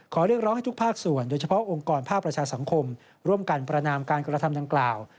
เรียกร้องให้ทุกภาคส่วนโดยเฉพาะองค์กรภาคประชาสังคมร่วมกันประนามการกระทำดังกล่าว